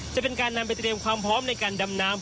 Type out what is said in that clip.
จะเป็นการนำไปเตรียมความพร้อมในการดำน้ำ